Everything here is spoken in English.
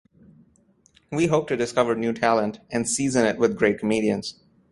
We hope to discover new talent and season it with great comedians.